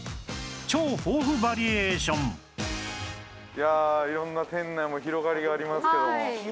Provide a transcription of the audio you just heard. いやあ色んな店内も広がりがありますけども。